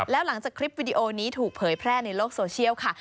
แล้วหลังจากคลิปวิดีโอนี้ถูกเผยแพร่ในโลกโซเชียลค่ะ